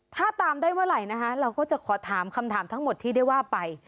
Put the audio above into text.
ถ้าตามได้เมื่อไหร่นะคะเราก็จะขอถามคำถามทั้งหมดที่ได้ว่าไป